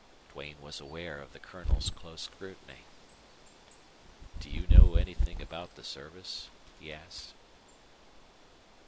Duane was aware of the Colonel's close scrutiny. "Do you know anything about the service?" he asked.